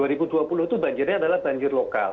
dua ribu dua puluh itu banjirnya adalah banjir lokal